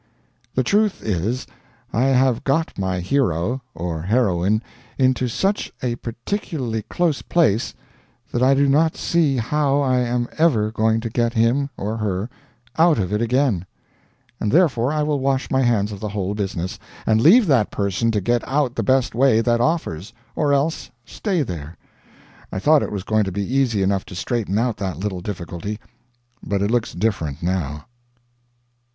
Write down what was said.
] The truth is, I have got my hero (or heroine) into such a particularly close place that I do not see how I am ever going to get him (or her) out of it again, and therefore I will wash my hands of the whole business, and leave that person to get out the best way that offers or else stay there. I thought it was going to be easy enough to straighten out that little difficulty, but it looks different now.